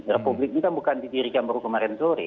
republik ini kan bukan didirikan baru kemarin sore